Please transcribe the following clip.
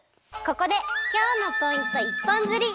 ここで今日のポイント一本釣り！